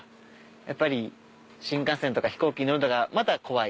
やっぱり新幹線とか飛行機に乗るのがまだ怖い。